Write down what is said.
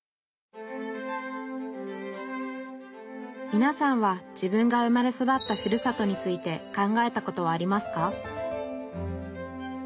みなさんは自分が生まれ育ったふるさとについて考えたことはありますか？